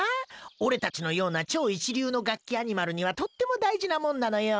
俺たちのような超一流のガッキアニマルにはとっても大事なもんなのよ。